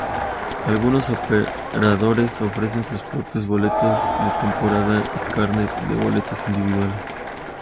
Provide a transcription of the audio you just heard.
Algunos operadores ofrecen sus propios boletos de temporada y carnets de boletos individuales.